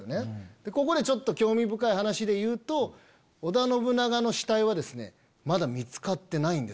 でここでちょっと興味深い話でいうと織田信長の死体はですねまだ見つかってないんです。